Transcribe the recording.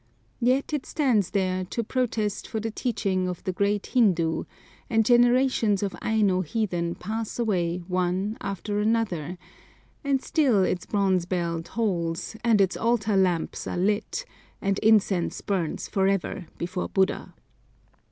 Yet it stands there to protest for the teaching of the great Hindu; and generations of Aino heathen pass away one after another; and still its bronze bell tolls, and its altar lamps are lit, and incense burns for ever before Buddha.